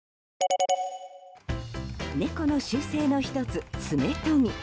猫の習性の１つ、爪とぎ。